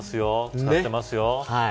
使ってますよ。